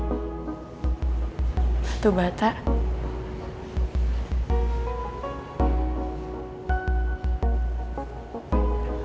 aku akan mencari yang lebih baik untukmu